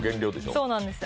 そうなんですよ。